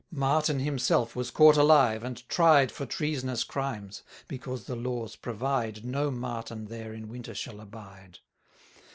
Martin himself was caught alive, and tried For treasonous crimes, because the laws provide No Martin there in winter shall abide.